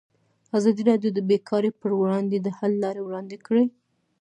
ازادي راډیو د بیکاري پر وړاندې د حل لارې وړاندې کړي.